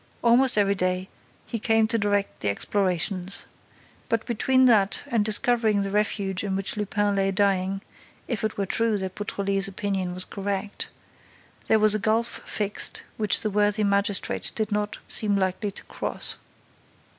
Almost every day, he came to direct the explorations. But between that and discovering the refuge in which Lupin lay dying—if it were true that Beautrelet's opinion was correct—there was a gulf fixed which the worthy magistrate did not seem likely to cross.